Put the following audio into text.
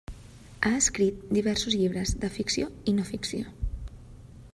Ha escrit diversos llibres de ficció i no-ficció.